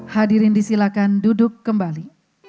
hadirin disilakan duduk kembali